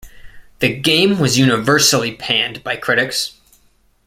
The game was universally panned by critics.